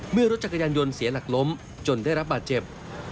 เมื่อรถจักรยานยนต์เสียหลักล้มจนได้รับบาดเจ็บ